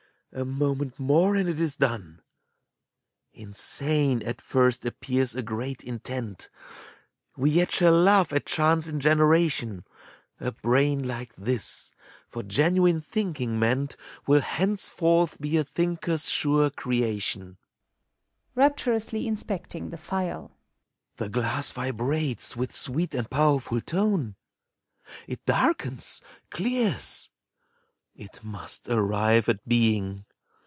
A moment more, and it is done! Insane, at first, appears a great intent; We yet shall laugh at chance in generation; A brain like this, for genuine thinking meant, Will henceforth be a thinker's sure creation. (Rapturously inspecting the phial.) ACT II. 77 The glass vibrates with sweet and powerful tone ; It darkens, clears: it must arrive at being!